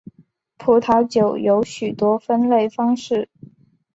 葡萄酒有许多分类方式。